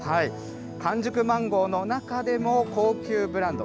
完熟マンゴーの中でも高級ブランド、